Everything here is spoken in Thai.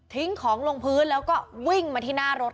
ของลงพื้นแล้วก็วิ่งมาที่หน้ารถ